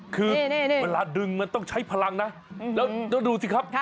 คือเวลาดึงมันต้องใช้พลังนะแล้วดูสิครับ